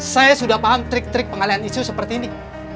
saya sudah paham trik trik pengalian isu seperti ini